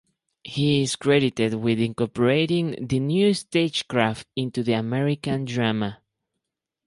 He is credited with incorporating the new stagecraft into the American drama.